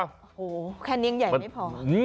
โหแค่เนวงใหญ่ไม่พอ